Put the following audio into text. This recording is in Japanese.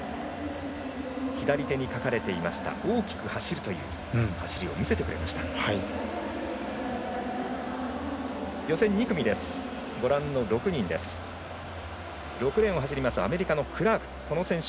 左手に書かれていました「大きく走る」という走りを見せてくれました。